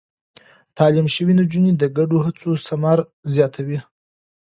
تعليم شوې نجونې د ګډو هڅو ثمر زياتوي.